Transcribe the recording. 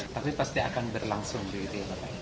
tapi pasti akan berlangsung begitu ya bapak